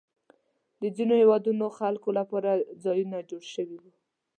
د ځینو هېوادونو خلکو لپاره ځایونه جوړ شوي وو.